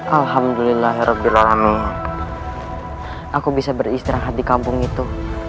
alhamdulillah ya rabbi loranuh aku bisa beristirahat di kampung itu